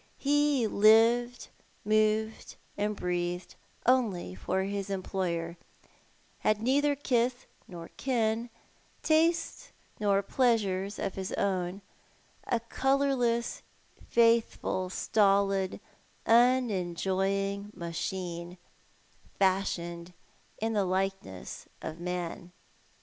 He lived, moved, and breathed only for his emjiloyer, had neither kith nor kin, tastes nor pleasures of his own — a colourless, faithful, stolid, unenjoying machine, fashioned in the likeness of man.